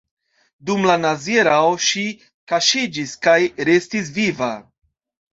Dum la nazia erao ŝi kaŝiĝis kaj restis viva.